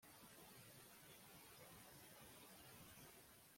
nigihombo kinini kuba twaramubuze